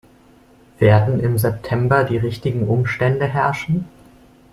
Werden im September die richtigen Umstände herrschen?